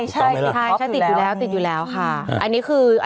ใช่ใช่ติดอยู่แล้วติดอยู่แล้วค่ะ